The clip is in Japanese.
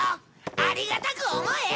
ありがたく思え！